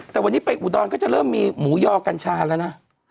แต่วันนี้ไปอุดรก็จะเริ่มมีหมูยอกัญชาแล้วนะ